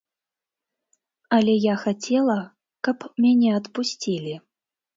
Але я хацела, каб мяне адпусцілі.